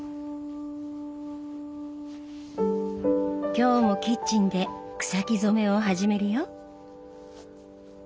今日もキッチンで草木染めを始めるよ。